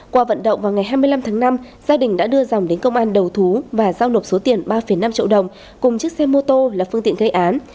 qua vận động vào ngày hai mươi năm tháng năm gia đình đã đưa dòng đến công an đầu thú và giao nộp số tiền ba năm triệu đồng cùng chiếc xe mô tô là phương tiện gây án